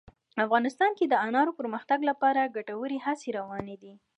افغانستان کې د انارو د پرمختګ لپاره ګټورې هڅې روانې دي.